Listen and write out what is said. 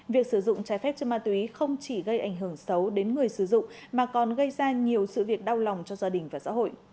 việc sử dụng trái phép chất ma túy không chỉ gây ảnh hưởng xấu đến người sử dụng mà còn gây ra nhiều sự việc đau lòng cho gia đình và xã hội